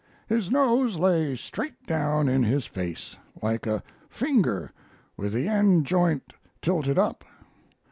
His nose lay straight down in his face, like a finger with the end joint tilted up.